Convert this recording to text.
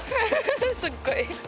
すっごい。